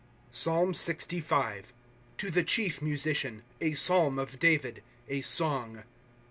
PSALM LXVIIL To the chief Musician, A Pealm of David, A Son^.